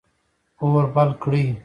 اور بل کړئ